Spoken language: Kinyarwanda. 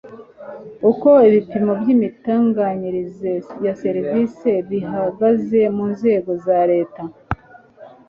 uko ibipimo by'imitangire ya serivisi bihagaze mu nzego za leta